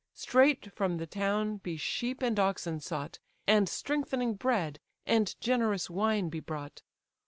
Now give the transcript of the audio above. Straight from the town be sheep and oxen sought, And strengthening bread and generous wine be brought.